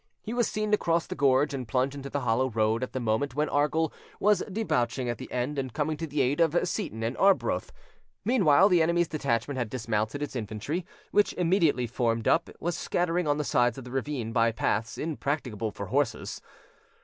He was seen to cross the gorge and plunge into the hollow road at the moment when Argyll was debouching at the end and coming to the aid of Seyton and Arbroath. Meanwhile, the enemy's detachment had dismounted its infantry, which, immediately formed up, was scattering on the sides of the ravine by paths impracticable for horses.